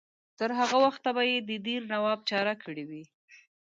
تر هغه وخته به یې د دیر نواب چاره کړې وي.